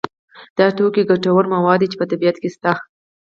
دا توکي ګټور مواد دي چې په طبیعت کې شته.